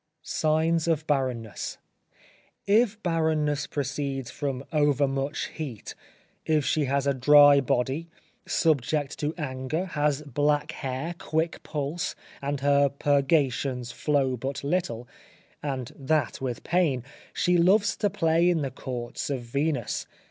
SIGNS OF BARRENNESS. If barrenness proceeds from overmuch heat, if she is a dry body, subject to anger, has black hair, quick pulse, and her purgations flow but little, and that with pain, she loves to play in the courts of Venus.